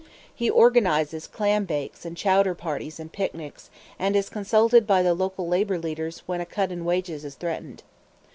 He organizes clambakes and chowder parties and picnics, and is consulted by the local labor leaders when a cut in wages is threatened.